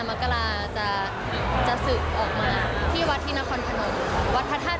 ๑๕มกราจะสืบออกมาที่วัดธินาคอนถนนวัฒนธาตุถนน